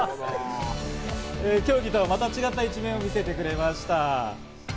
競技とはまた違った一面を見せてくれました。